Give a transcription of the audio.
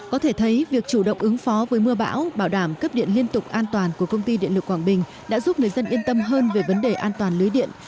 có thể thấy việc chủ động ứng phó với mưa bão bảo đảm cấp điện liên tục an toàn của công ty điện lực quảng bình đã giúp người dân yên tâm hơn về vấn đề an toàn lưới điện